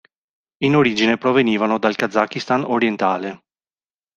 In origine provenivano dal Kazakistan orientale.